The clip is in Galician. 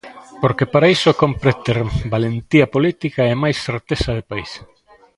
Porque para iso cómpre ter valentía política e mais certeza de país.